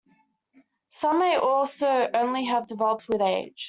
Some may also only have developed with age.